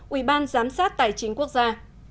ủy ban giám sát tài chính quốc gia